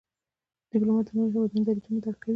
ډيپلومات د نورو هېوادونو دریځونه درک کوي.